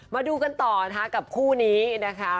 มาดูกันต่อนะคะกับคู่นี้นะคะ